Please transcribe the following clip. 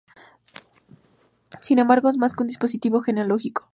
Sin embargo, es más que un 'dispositivo' genealógico.